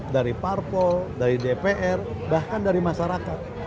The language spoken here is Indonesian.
dari parpol dari dpr bahkan dari masyarakat